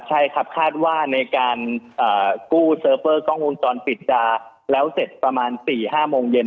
ใช่ครับคาดว่าในการกู้เซิร์ฟเวอร์กล้องวงจรปิดจะแล้วเสร็จประมาณ๔๕โมงเย็น